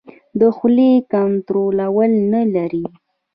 د خولې کنټرول نه لري.